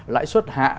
lãi suất hạ